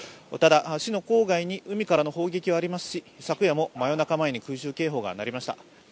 ただ、市の郊外に海からの砲撃はありますし、昨夜も真夜中前に空襲警報が鳴りました。